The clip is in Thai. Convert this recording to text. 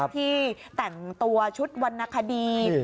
ที่แต่งตัวชุดวรรณคดี